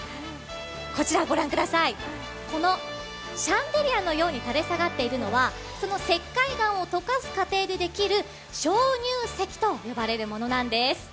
こちらご覧ください、このシャンデリアのように垂れ下がっているのは、その石灰岩を溶かす過程でできる鍾乳石と呼ばれるものなんです。